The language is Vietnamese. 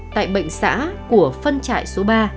tại bệnh xã của phân trại số ba